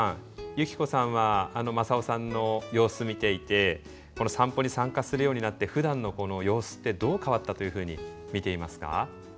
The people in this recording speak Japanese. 由希子さんは正雄さんの様子見ていてこの散歩に参加するようになってふだんの様子ってどう変わったというふうに見ていますか？